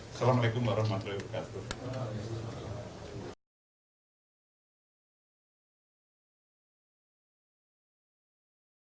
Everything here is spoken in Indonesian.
assalamu'alaikum warahmatullahi wabarakatuh